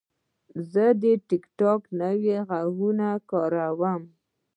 زه د ټک ټاک نوي غږونه کاروم.